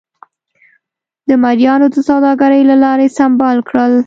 د مریانو د سوداګرۍ له لارې سمبال کړل.